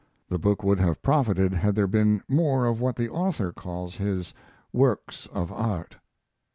The book would have profited had there been more of what the author calls his "works of art."